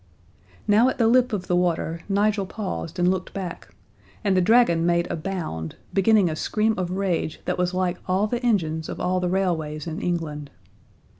Now at the lip of the water, Nigel paused and looked back, and the dragon made a bound, beginning a scream of rage that was like all the engines of all the railways in England.